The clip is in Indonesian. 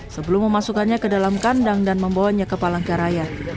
sebelum memasukkannya ke dalam kandang dan membawanya ke palangkaraya